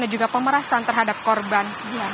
dan juga pemerasan terhadap korban